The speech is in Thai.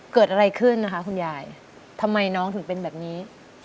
เกิดอะไรขึ้นนะคะคุณยายทำไมน้องถึงเป็นแบบนี้